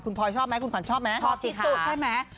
คุณพอยชอบไหมคุณขวัญชอบไหมชอบสิคะชอบที่สุดใช่ไหม